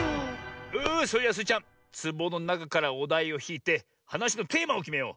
それじゃスイちゃんつぼのなかからおだいをひいてはなしのテーマをきめよう。